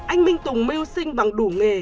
anh minh tùng mưu sinh bằng đủ nghề